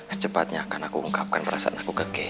secepatnya aku akan ungkapkan perasaanku ke kay